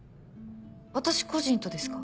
私個人とですか？